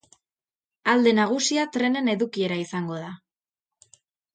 Alde nagusia trenen edukiera izango da.